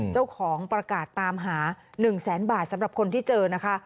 เจ้าของประกาศตามหา๑แสนบาทสำหรับคนที่เจอนะคะ